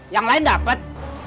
yang lain dapet